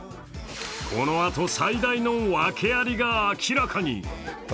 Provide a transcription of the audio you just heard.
このあと、最大のワケアリが明らかに。